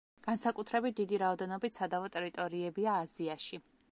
განსაკუთრებით დიდი რაოდენობით სადავო ტერიტორიებია აზიაში.